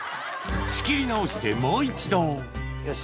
仕切り直してもう一度よし。